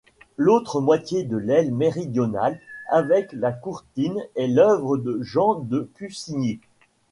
L'autre moitié de l'aile méridionale avec la courtine est l’œuvre de Jean de Cussigny.